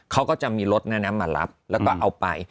เขาก็จะมีรถมารับแล้วก็เอาไป